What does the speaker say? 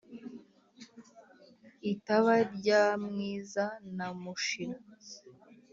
itaba rya mwiza na mushira